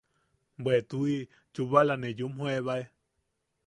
–Bwe tuʼi, chubala ne yumjoebae.